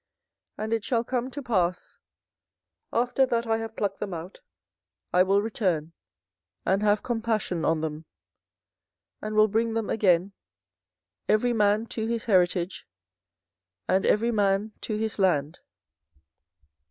24:012:015 And it shall come to pass, after that I have plucked them out I will return, and have compassion on them, and will bring them again, every man to his heritage, and every man to his land.